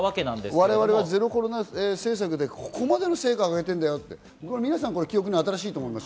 我々はゼロコロナ政策でここまで成果をあげてるよって記憶に新しいと思います。